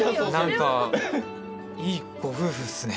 何かいいご夫婦っすね。